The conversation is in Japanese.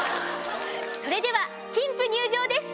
それでは新婦入場です！